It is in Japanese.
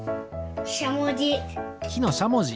しゃもじ。